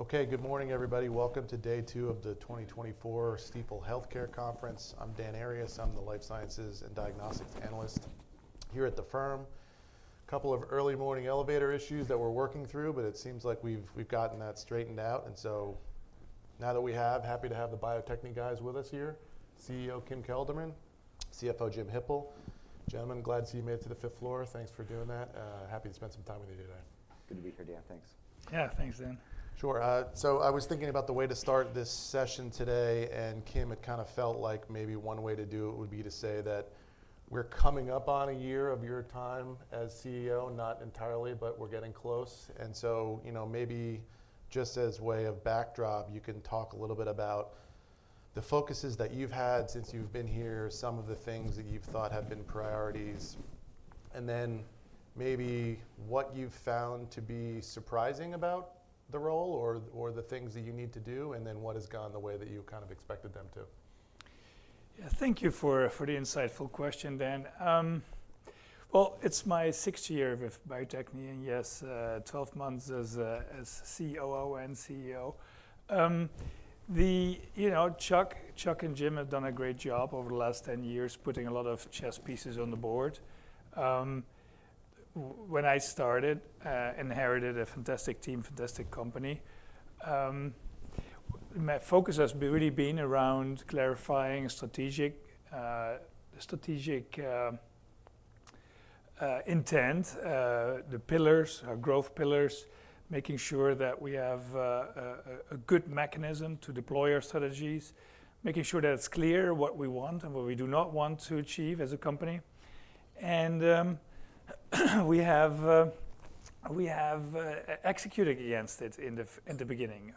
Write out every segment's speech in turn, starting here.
Okay, good morning, everybody. Welcome to day two of the 2024 Stifel Healthcare Conference. I'm Dan Arias. I'm the Life Sciences and Diagnostics Analyst here at the firm. A couple of early morning elevator issues that we're working through, but it seems like we've gotten that straightened out, and so now that we have, happy to have the Bio-Techne guys with us here, CEO Kim Kelderman, CFO Jim Hippel. Gentlemen, glad to see you made it to the fifth floor. Thanks for doing that. Happy to spend some time with you today. Good to be here, Dan. Thanks. Yeah, thanks, Dan. Sure. So I was thinking about the way to start this session today, and Kim, it kind of felt like maybe one way to do it would be to say that we're coming up on a year of your time as CEO, not entirely, but we're getting close. And so, you know, maybe just as a way of backdrop, you can talk a little bit about the focuses that you've had since you've been here, some of the things that you've thought have been priorities, and then maybe what you've found to be surprising about the role or the things that you need to do, and then what has gone the way that you kind of expected them to. Yeah, thank you for the insightful question, Dan. Well, it's my sixth year with Bio-Techne, and yes, 12 months as COO and CEO. The, you know, Chuck and Jim have done a great job over the last 10 years, putting a lot of chess pieces on the board. When I started, I inherited a fantastic team, fantastic company. My focus has really been around clarifying strategic intent, the pillars, our growth pillars, making sure that we have a good mechanism to deploy our strategies, making sure that it's clear what we want and what we do not want to achieve as a company. And we have executed against it in the beginning.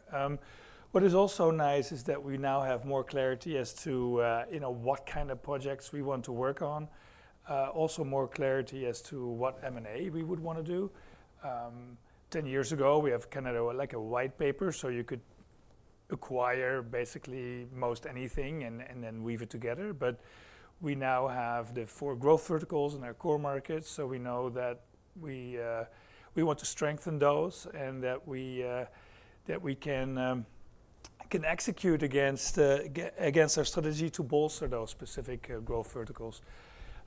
What is also nice is that we now have more clarity as to, you know, what kind of projects we want to work on, also more clarity as to what M&A we would want to do. Ten years ago, we have kind of like a white paper, so you could acquire basically most anything and then weave it together, but we now have the four growth verticals in our core markets, so we know that we want to strengthen those and that we can execute against our strategy to bolster those specific growth verticals.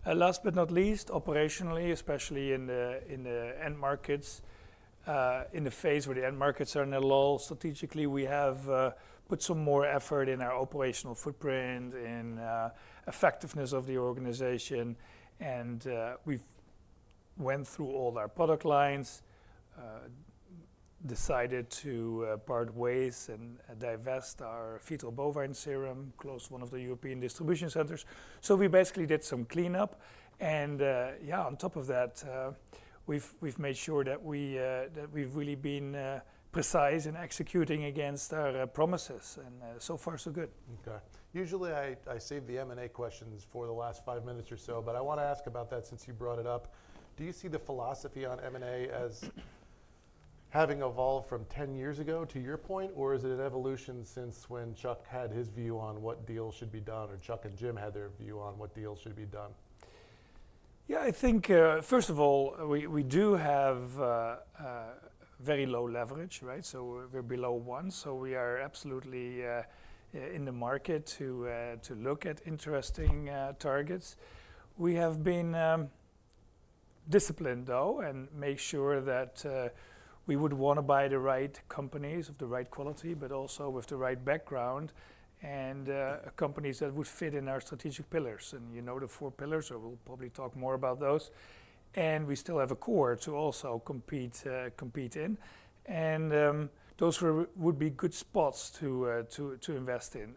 Last but not least, operationally, especially in the end markets, in the phase where the end markets are in a lull, strategically, we have put some more effort in our operational footprint, in effectiveness of the organization, and we've went through all our product lines, decided to part ways and divest our fetal bovine serum, close one of the European distribution centers, so we basically did some cleanup, and yeah, on top of that, we've made sure that we've really been precise in executing against our promises, and so far, so good. Okay. Usually, I save the M&A questions for the last five minutes or so, but I want to ask about that since you brought it up. Do you see the philosophy on M&A as having evolved from 10 years ago to your point, or is it an evolution since when Chuck had his view on what deals should be done, or Chuck and Jim had their view on what deals should be done? Yeah, I think, first of all, we do have very low leverage, right? So we're below one. So we are absolutely in the market to look at interesting targets. We have been disciplined, though, and made sure that we would want to buy the right companies of the right quality, but also with the right background, and companies that would fit in our strategic pillars. And you know the four pillars, or we'll probably talk more about those. And we still have a core to also compete in. And those would be good spots to invest in.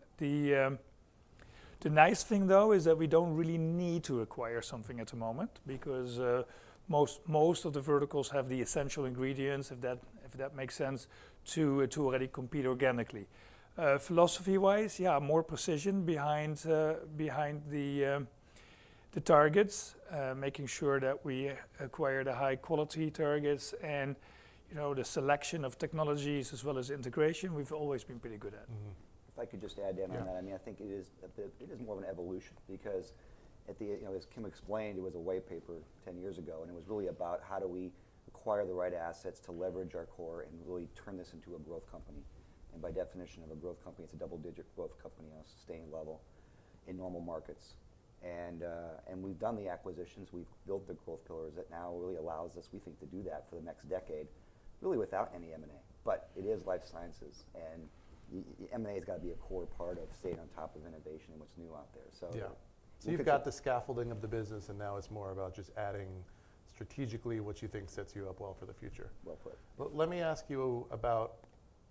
The nice thing, though, is that we don't really need to acquire something at the moment because most of the verticals have the essential ingredients, if that makes sense, to already compete organically. Philosophy-wise, yeah, more precision behind the targets, making sure that we acquired high-quality targets, and the selection of technologies as well as integration, we've always been pretty good at. If I could just add in on that, I mean, I think it is more of an evolution because, you know, as Kim explained, it was a white paper 10 years ago, and it was really about how do we acquire the right assets to leverage our core and really turn this into a growth company. And by definition of a growth company, it's a double-digit growth company on a sustained level in normal markets. And we've done the acquisitions. We've built the growth pillars that now really allows us, we think, to do that for the next decade, really without any M&A. But it is life sciences, and M&A has got to be a core part of staying on top of innovation and what's new out there. Yeah. So you've got the scaffolding of the business, and now it's more about just adding strategically what you think sets you up well for the future. Well put. Let me ask you about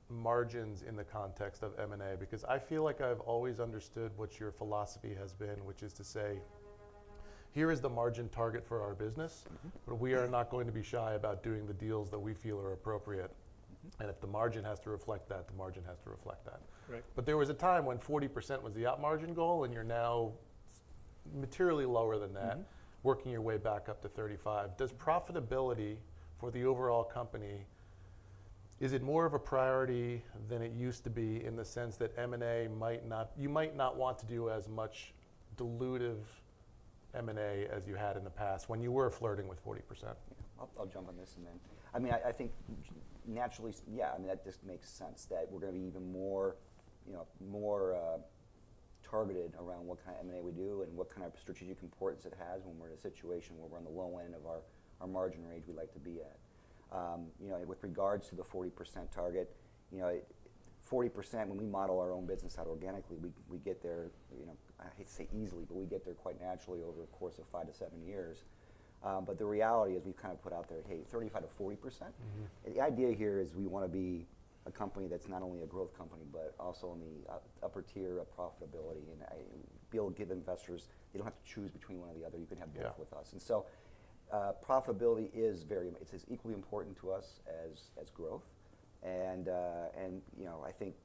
margins in the context of M&A, because I feel like I've always understood what your philosophy has been, which is to say, here is the margin target for our business, but we are not going to be shy about doing the deals that we feel are appropriate. And if the margin has to reflect that, the margin has to reflect that. But there was a time when 40% was the up margin goal, and you're now materially lower than that, working your way back up to 35%. Does profitability for the overall company, is it more of a priority than it used to be in the sense that M&A might not, you might not want to do as much dilutive M&A as you had in the past when you were flirting with 40%? Yeah. I'll jump on this and then, I mean, I think naturally, yeah, I mean, that just makes sense that we're going to be even more targeted around what kind of M&A we do and what kind of strategic importance it has when we're in a situation where we're on the low end of our margin range we like to be at. You know, with regards to the 40% target, you know, 40%, when we model our own business out organically, we get there, you know, I hate to say easily, but we get there quite naturally over a course of five to seven years. But the reality is we've kind of put out there, hey, 35%-40%. The idea here is we want to be a company that's not only a growth company, but also in the upper tier of profitability. And we'll give investors; they don't have to choose between one or the other. You can have both with us. And so profitability is very; it's as equally important to us as growth. And, you know, I think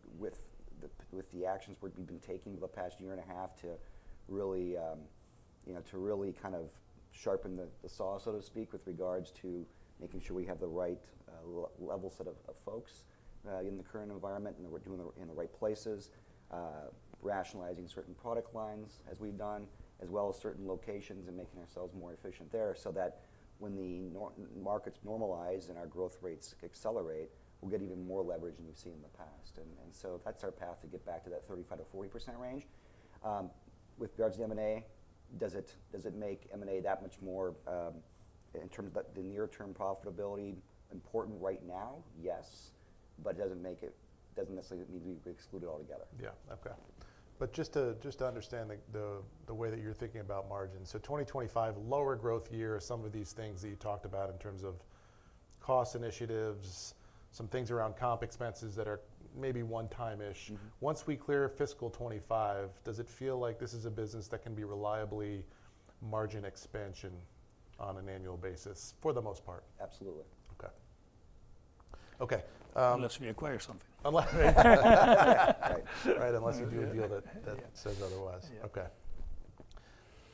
with the actions we've been taking the past year and a half to really, you know, to really kind of sharpen the saw, so to speak, with regards to making sure we have the right level set of folks in the current environment and we're doing it in the right places, rationalizing certain product lines, as we've done, as well as certain locations and making ourselves more efficient there so that when the markets normalize and our growth rates accelerate, we'll get even more leverage than we've seen in the past. And so that's our path to get back to that 35%-40% range. With regards to M&A, does it make M&A that much more in terms of the near-term profitability important right now? Yes, but it doesn't make it, it doesn't necessarily mean we've excluded it altogether. Yeah. Okay. But just to understand the way that you're thinking about margins, so 2025, lower growth year, some of these things that you talked about in terms of cost initiatives, some things around comp expenses that are maybe one-time-ish. Once we clear fiscal 2025, does it feel like this is a business that can be reliably margin expansion on an annual basis for the most part? Absolutely. Okay. Okay. Unless we acquire something. Right. Unless you do a deal that says otherwise.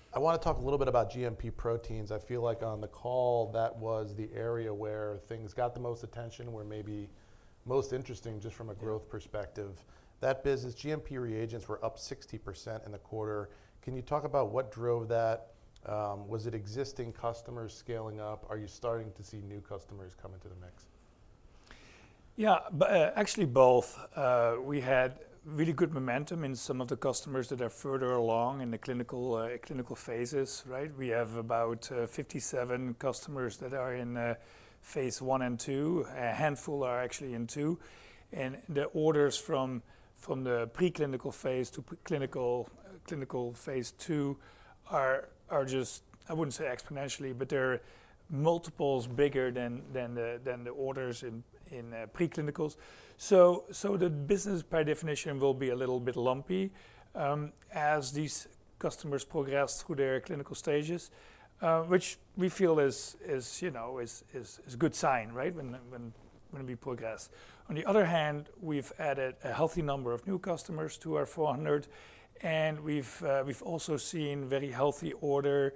Okay. I want to talk a little bit about GMP proteins. I feel like on the call, that was the area where things got the most attention, where maybe most interesting just from a growth perspective. That business, GMP reagents were up 60% in the quarter. Can you talk about what drove that? Was it existing customers scaling up? Are you starting to see new customers come into the mix? Yeah, actually both. We had really good momentum in some of the customers that are further along in the clinical phases, right? We have about 57 customers that are in phase I and II. A handful are actually in two, and the orders from the preclinical phase to clinical phase II are just, I wouldn't say exponentially, but they're multiples bigger than the orders in preclinicals. So the business by definition will be a little bit lumpy as these customers progress through their clinical stages, which we feel is, you know, is a good sign, right, when we progress. On the other hand, we've added a healthy number of new customers to our 400, and we've also seen very healthy order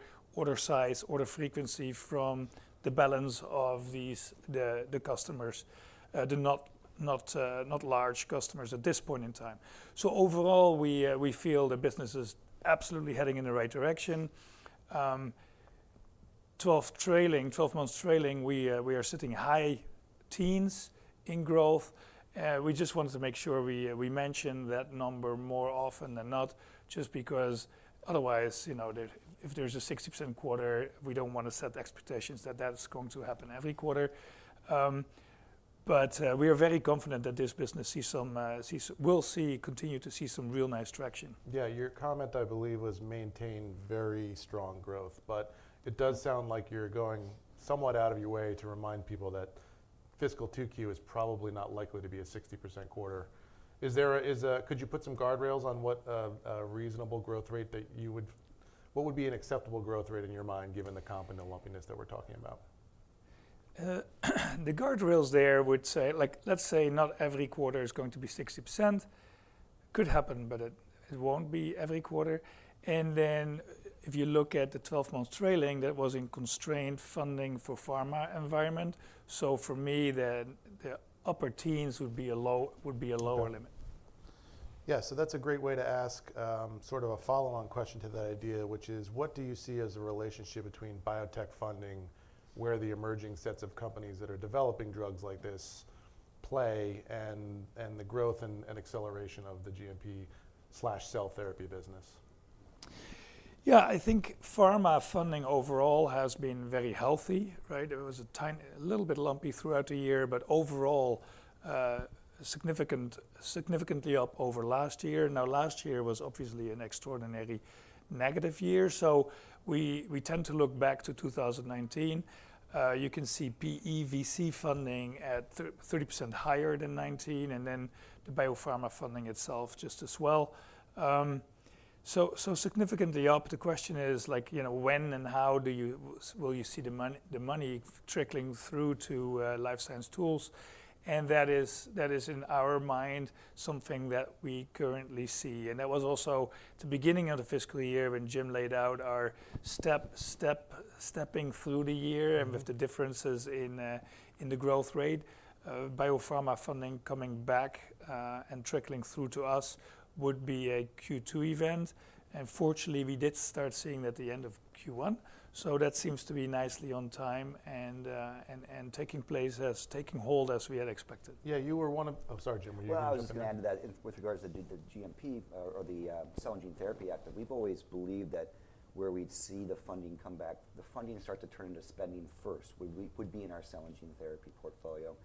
size, order frequency from the balance of the customers, the not large customers at this point in time. So overall, we feel the business is absolutely heading in the right direction. 12 months trailing, we are sitting high teens in growth. We just wanted to make sure we mention that number more often than not, just because otherwise, you know, if there's a 60% quarter, we don't want to set expectations that that's going to happen every quarter. But we are very confident that this business will continue to see some real nice traction. Yeah. Your comment, I believe, was maintain very strong growth, but it does sound like you're going somewhat out of your way to remind people that fiscal 2Q is probably not likely to be a 60% quarter. Is there, could you put some guardrails on what a reasonable growth rate that you would, what would be an acceptable growth rate in your mind given the comp and the lumpiness that we're talking about? The guardrails there would say, like, let's say not every quarter is going to be 60%. It could happen, but it won't be every quarter. And then if you look at the 12-month trailing, that was in constrained funding for pharma environment. So for me, the upper teens would be a lower limit. Yeah. So that's a great way to ask sort of a follow-on question to that idea, which is, what do you see as the relationship between biotech funding, where the emerging sets of companies that are developing drugs like this play, and the growth and acceleration of the GMP slash cell therapy business? Yeah, I think pharma funding overall has been very healthy, right? It was a little bit lumpy throughout the year, but overall, significantly up over last year. Now, last year was obviously an extraordinary negative year, so we tend to look back to 2019. You can see PE/VC funding at 30% higher than 2019, and then the biopharma funding itself just as well, so significantly up. The question is, like, you know, when and how will you see the money trickling through to life science tools? And that is, in our mind, something that we currently see, and that was also the beginning of the fiscal year when Jim laid out our stepping through the year and with the differences in the growth rate. Biopharma funding coming back and trickling through to us would be a Q2 event, and fortunately, we did start seeing that at the end of Q1. So that seems to be nicely on time and taking hold as we had expected. Yeah. You were one of, I'm sorry, Jim. I commented that with regards to the GMP or the cell and gene therapy activity. We've always believed that where we'd see the funding come back, the funding starts to turn into spending first, would be in our cell and gene therapy portfolio.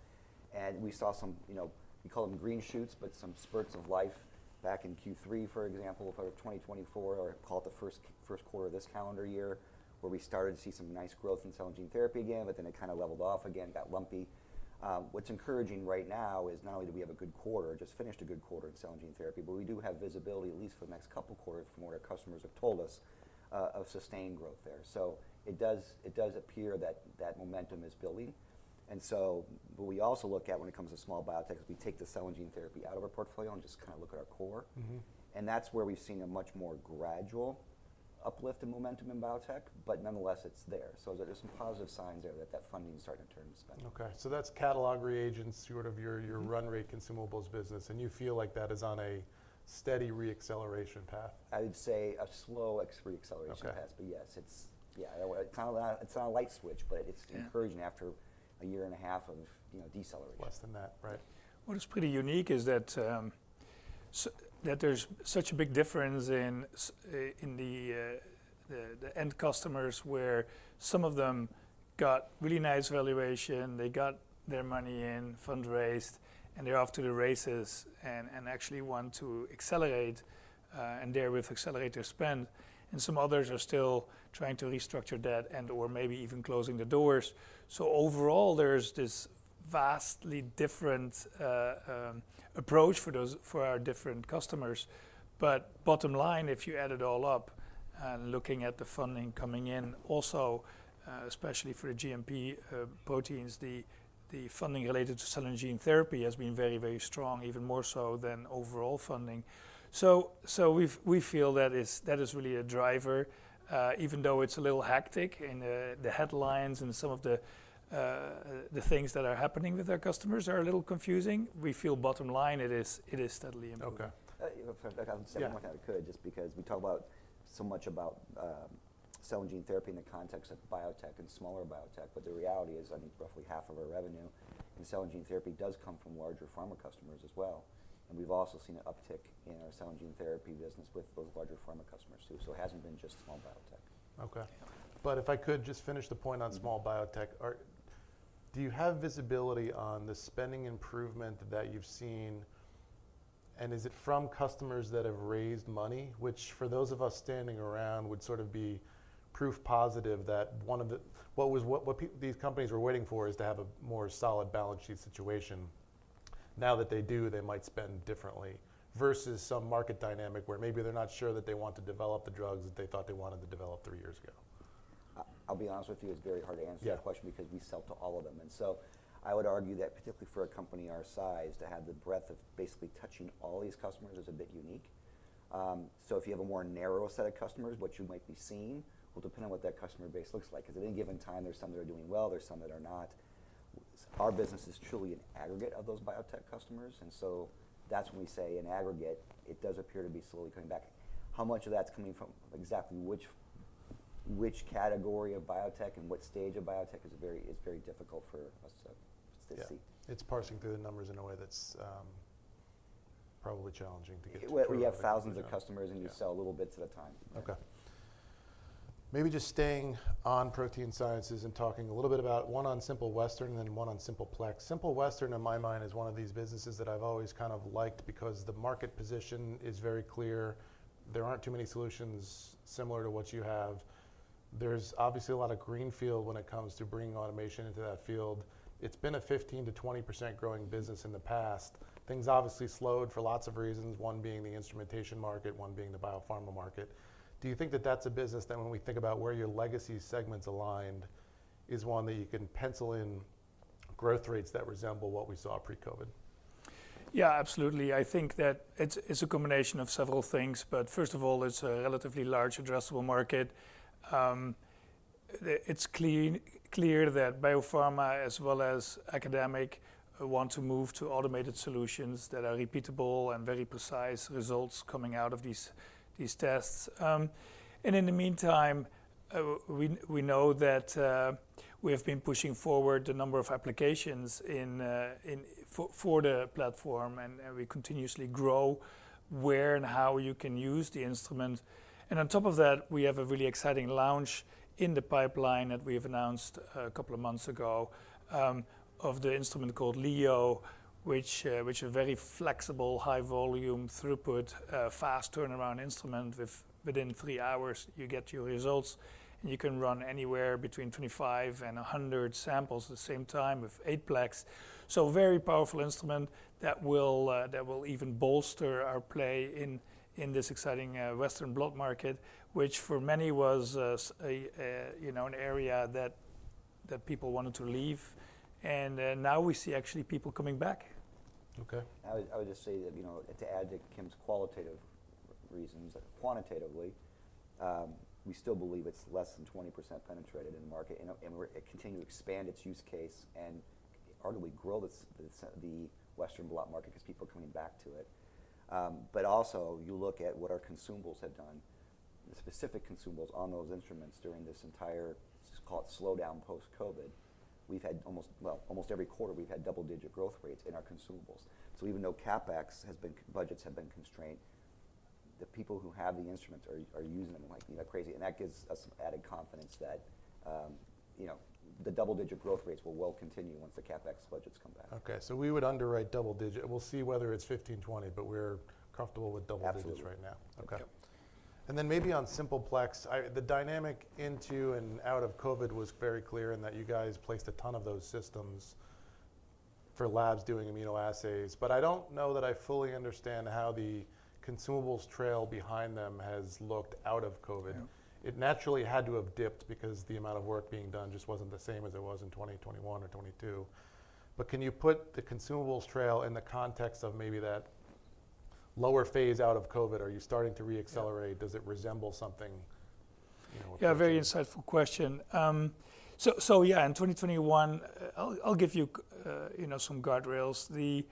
And we saw some, you know, we call them green shoots, but some spurts of life back in Q3, for example, for 2024, or call it the first quarter of this calendar year, where we started to see some nice growth in cell and gene therapy again, but then it kind of leveled off again, got lumpy. What's encouraging right now is not only do we have a good quarter, just finished a good quarter in cell and gene therapy, but we do have visibility at least for the next couple of quarters from what our customers have told us of sustained growth there. So it does appear that that momentum is building. And so what we also look at when it comes to small biotech is we take the cell and gene therapy out of our portfolio and just kind of look at our core. And that's where we've seen a much more gradual uplift in momentum in biotech, but nonetheless, it's there. So there's some positive signs there that that funding is starting to turn into spending. Okay. So that's catalog reagents, sort of your run rate consumables business, and you feel like that is on a steady reacceleration path? I would say a slow reacceleration path, but yes, it's, yeah, it's not a light switch, but it's encouraging after a year and a half of, you know, deceleration. Less than that, right? What is pretty unique is that there's such a big difference in the end customers where some of them got really nice valuation, they got their money in, fundraised, and they're off to the races and actually want to accelerate and therewith accelerate their spend, and some others are still trying to restructure debt and/or maybe even closing the doors, so overall, there's this vastly different approach for our different customers, but bottom line, if you add it all up and looking at the funding coming in, also especially for the GMP proteins, the funding related to cell and gene therapy has been very, very strong, even more so than overall funding, so we feel that is really a driver, even though it's a little hectic in the headlines and some of the things that are happening with our customers are a little confusing. We feel bottom line, it is steadily improving. Okay. I'll say one more thing I could just because we talk so much about cell and gene therapy in the context of biotech and smaller biotech, but the reality is I think roughly half of our revenue in cell and gene therapy does come from larger pharma customers as well, and we've also seen an uptick in our cell and gene therapy business with those larger pharma customers too, so it hasn't been just small biotech. Okay. But if I could just finish the point on small biotech, do you have visibility on the spending improvement that you've seen, and is it from customers that have raised money, which for those of us standing around would sort of be proof positive that one of the, what these companies were waiting for, is to have a more solid balance sheet situation. Now that they do, they might spend differently versus some market dynamic where maybe they're not sure that they want to develop the drugs that they thought they wanted to develop three years ago. I'll be honest with you, it's very hard to answer that question because we sell to all of them. And so I would argue that particularly for a company our size, to have the breadth of basically touching all these customers is a bit unique. So if you have a more narrow set of customers, what you might be seeing will depend on what that customer base looks like. Because at any given time, there's some that are doing well, there's some that are not. Our business is truly an aggregate of those biotech customers. And so that's when we say in aggregate, it does appear to be slowly coming back. How much of that's coming from exactly which category of biotech and what stage of biotech is very difficult for us to see. Yeah. It's parsing through the numbers in a way that's probably challenging to get to. We have thousands of customers and we sell little bits at a time. Okay. Maybe just staying on protein sciences and talking a little bit about one on Simple Western and then one on Simple Plex. Simple Western, in my mind, is one of these businesses that I've always kind of liked because the market position is very clear. There aren't too many solutions similar to what you have. There's obviously a lot of greenfield when it comes to bringing automation into that field. It's been a 15%-20% growing business in the past. Things obviously slowed for lots of reasons, one being the instrumentation market, one being the biopharma market. Do you think that that's a business that when we think about where your legacy segments aligned is one that you can pencil in growth rates that resemble what we saw pre-COVID? Yeah, absolutely. I think that it's a combination of several things, but first of all, it's a relatively large addressable market. It's clear that biopharma as well as academic want to move to automated solutions that are repeatable and very precise results coming out of these tests. And in the meantime, we know that we have been pushing forward the number of applications for the platform and we continuously grow where and how you can use the instrument. And on top of that, we have a really exciting launch in the pipeline that we have announced a couple of months ago of the instrument called Leo, which is a very flexible, high-volume throughput, fast turnaround instrument. Within three hours, you get your results and you can run anywhere between 25 and 100 samples at the same time with 8-plex. So very powerful instrument that will even bolster our play in this exciting Western blot market, which for many was, you know, an area that people wanted to leave. And now we see actually people coming back. I would just say that, you know, to add to Kim's qualitative reasons, quantitatively, we still believe it's less than 20% penetrated in the market and continue to expand its use case and arguably grow the Western blot market because people are coming back to it. But also you look at what our consumables have done, the specific consumables on those instruments during this entire, let's just call it slowdown post-COVID, we've had almost, well, almost every quarter we've had double-digit growth rates in our consumables. So even though CapEx budgets have been constrained, the people who have the instruments are using them like crazy. And that gives us some added confidence that, you know, the double-digit growth rates will well continue once the CapEx budgets come back. Okay. So we would underwrite double-digit. We'll see whether it's 15%-20%, but we're comfortable with double-digits right now. Okay. And then maybe on Simple Plex, the dynamic into and out of COVID was very clear in that you guys placed a ton of those systems for labs doing assays. But I don't know that I fully understand how the consumables trail behind them has looked out of COVID. It naturally had to have dipped because the amount of work being done just wasn't the same as it was in 2021 or 2022. But can you put the consumables trail in the context of maybe that lower phase out of COVID? Are you starting to reaccelerate? Does it resemble something? Yeah, very insightful question. So yeah, in 2021, I'll give you, you know, some guardrails. And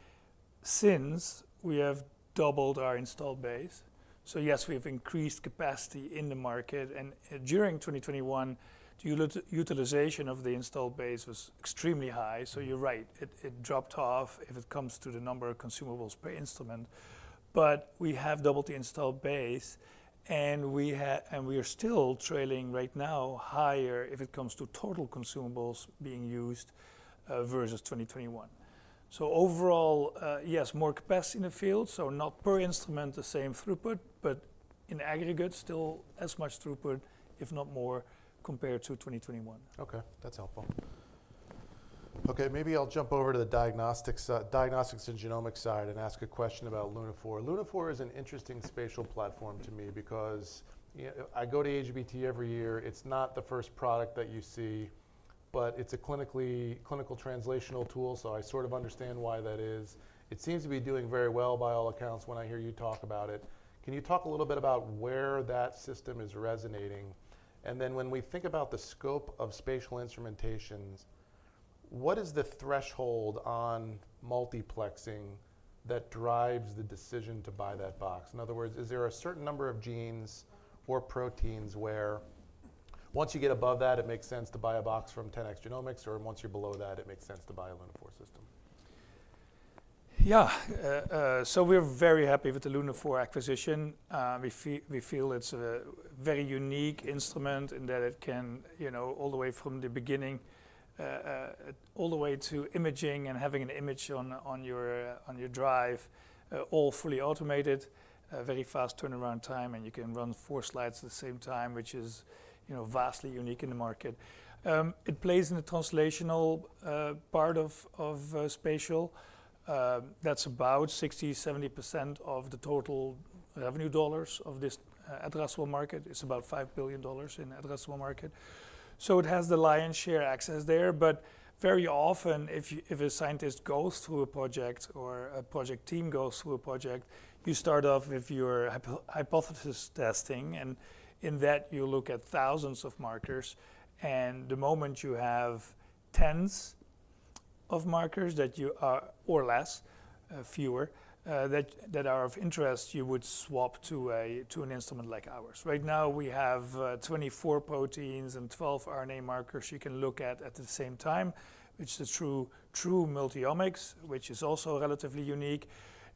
since we have doubled our installed base. So yes, we've increased capacity in the market. And during 2021, utilization of the installed base was extremely high. So you're right, it dropped off if it comes to the number of consumables per instrument. But we have doubled the installed base and we are still running right now higher if it comes to total consumables being used versus 2021. So overall, yes, more capacity in the field. So not per instrument the same throughput, but in aggregate still as much throughput, if not more, compared to 2021. Okay. That's helpful. Okay. Maybe I'll jump over to the Diagnostics and Genomics side and ask a question about Lunaphore. Lunaphore is an interesting spatial platform to me because I go to AGBT every year. It's not the first product that you see, but it's a clinical translational tool. So I sort of understand why that is. It seems to be doing very well by all accounts when I hear you talk about it. Can you talk a little bit about where that system is resonating? And then when we think about the scope of spatial instrumentations, what is the threshold on multiplexing that drives the decision to buy that box? In other words, is there a certain number of genes or proteins where once you get above that, it makes sense to buy a box from 10x Genomics, or once you're below that, it makes sense to buy a Lunaphore system? Yeah, so we're very happy with the Lunaphore acquisition. We feel it's a very unique instrument in that it can, you know, all the way from the beginning, all the way to imaging and having an image on your drive, all fully automated, very fast turnaround time, and you can run four slides at the same time, which is, you know, vastly unique in the market. It plays in the translational part of spatial. That's about 60%-70% of the total revenue dollars of this addressable market. It's about $5 billion in addressable market. So it has the lion's share access there. But very often, if a scientist goes through a project or a project team goes through a project, you start off with your hypothesis testing, and in that, you look at thousands of markers. The moment you have tens of markers that you are, or less, fewer, that are of interest, you would swap to an instrument like ours. Right now, we have 24 proteins and 12 RNA markers you can look at at the same time, which is a true multi-omics, which is also relatively unique.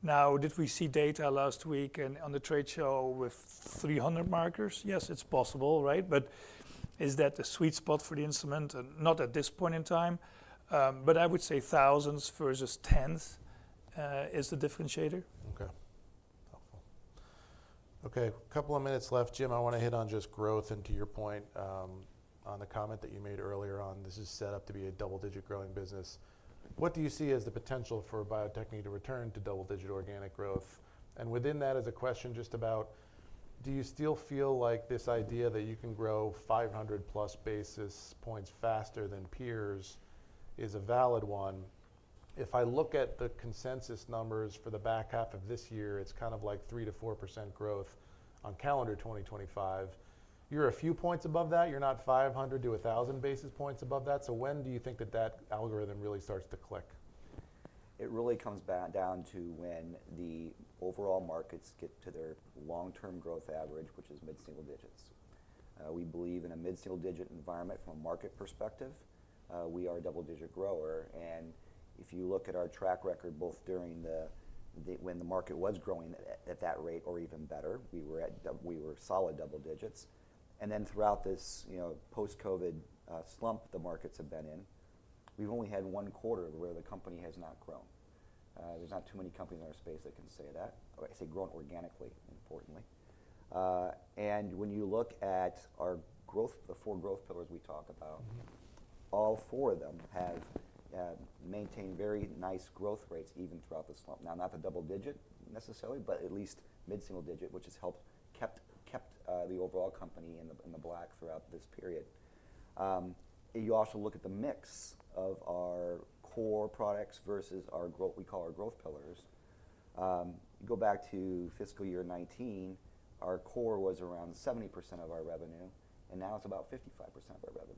Now, did we see data last week on the trade show with 300 markers? Yes, it's possible, right? But is that the sweet spot for the instrument? Not at this point in time. But I would say thousands versus tens is the differentiator. Okay. Helpful. Okay. A couple of minutes left. Jim, I want to hit on just growth and to your point on the comment that you made earlier on, this is set up to be a double-digit growing business. What do you see as the potential for Bio-Techne to return to double-digit organic growth? And within that is a question just about, do you still feel like this idea that you can grow 500-plus basis points faster than peers is a valid one? If I look at the consensus numbers for the back half of this year, it's kind of like 3%-4% growth on calendar 2025. You're a few points above that. You're not 500-1,000 basis points above that. So when do you think that that algorithm really starts to click? It really comes down to when the overall markets get to their long-term growth average, which is mid-single digits. We believe in a mid-single digit environment from a market perspective, we are a double-digit grower. And if you look at our track record, both during when the market was growing at that rate or even better, we were solid double digits. And then throughout this, you know, post-COVID slump the markets have been in, we've only had one quarter where the company has not grown. There's not too many companies in our space that can say that. I say grown organically, importantly. And when you look at our growth, the four growth pillars we talk about, all four of them have maintained very nice growth rates even throughout the slump. Now, not the double digit necessarily, but at least mid-single digit, which has helped keep the overall company in the black throughout this period. You also look at the mix of our core products versus our what we call our growth pillars. You go back to fiscal year 2019, our core was around 70% of our revenue, and now it's about 55% of our revenue.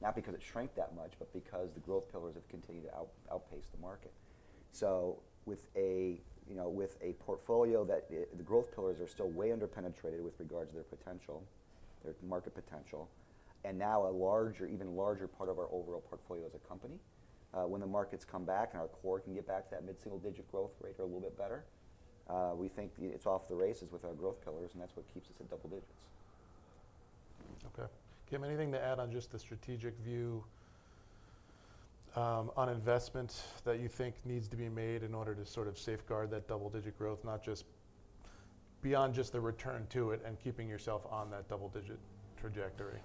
Not because it shrank that much, but because the growth pillars have continued to outpace the market. So with, you know, a portfolio that the growth pillars are still way underpenetrated with regards to their potential, their market potential, and now a larger, even larger part of our overall portfolio as a company, when the markets come back and our core can get back to that mid-single digit growth rate or a little bit better, we think it's off to the races with our growth pillars, and that's what keeps us at double digits. Okay. Kim, anything to add on just the strategic view on investment that you think needs to be made in order to sort of safeguard that double-digit growth, not just beyond just the return to it and keeping yourself on that double-digit trajectory?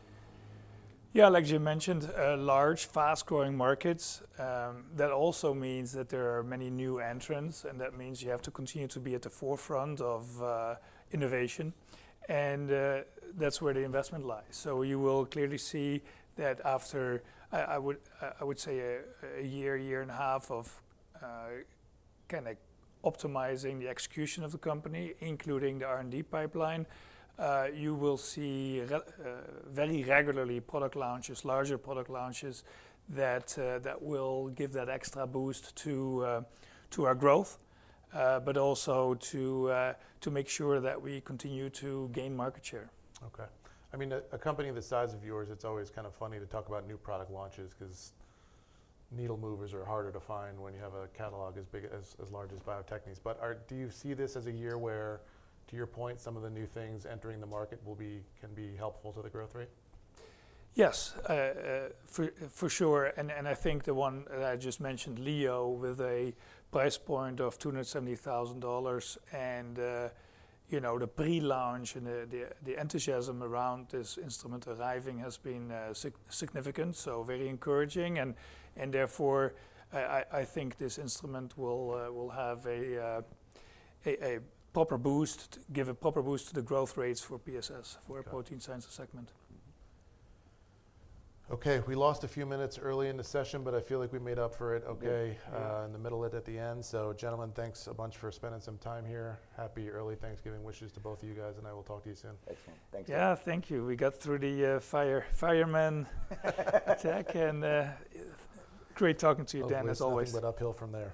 Yeah, like you mentioned, large, fast-growing markets. That also means that there are many new entrants, and that means you have to continue to be at the forefront of innovation. And that's where the investment lies. So you will clearly see that after, I would say, a year, year and a half of kind of optimizing the execution of the company, including the R&D pipeline, you will see very regularly product launches, larger product launches that will give that extra boost to our growth, but also to make sure that we continue to gain market share. Okay. I mean, a company the size of yours, it's always kind of funny to talk about new product launches because needle movers are harder to find when you have a catalog as large as Bio-Techne's. But do you see this as a year where, to your point, some of the new things entering the market can be helpful to the growth rate? Yes, for sure. And I think the one that I just mentioned, Leo, with a price point of $270,000 and, you know, the pre-launch and the enthusiasm around this instrument arriving has been significant, so very encouraging. And therefore, I think this instrument will have a proper boost, give a proper boost to the growth rates for PSS, for our Protein Sciences Segment. Okay. We lost a few minutes early in the session, but I feel like we made up for it okay in the middle of it at the end. So gentlemen, thanks a bunch for spending some time here. Happy early Thanksgiving wishes to both of you guys, and I will talk to you soon. Excellent. Thanks. Yeah, thank you. We got through the fireman attack, and great talking to you, Dan, as always. But uphill from there.